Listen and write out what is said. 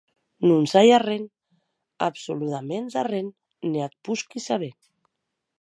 Non sai arren, absoludaments arren, ne ac posqui saber.